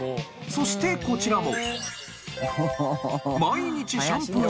そしてこちらも。